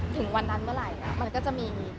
ถึงวันนั้นเมื่อไหร่มันก็จะมี